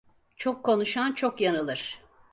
Çok konuşan çok yanılır.